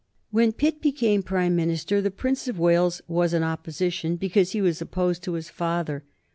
When Pitt became Prime Minister the Prince of Wales was in Opposition, because he was opposed to his father.